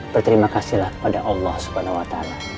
berterima kasih lah kepada allah swt